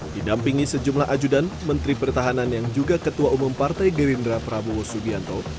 didampingi sejumlah ajudan menteri pertahanan yang juga ketua umum partai gerindra prabowo subianto